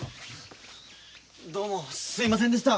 どうもすいませんでした。